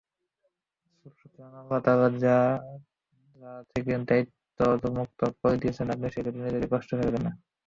সুতরাং আল্লাহ আপনাকে যা থেকে দায়িত্বমুক্ত করে দিয়েছেন আপনি সেক্ষেত্রে নিজেকে কষ্টে ফেলবেন না।